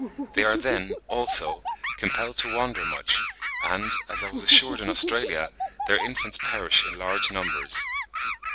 They are then, also, compelled to wander much, and, as I was assured in Australia, their infants perish in large numbers.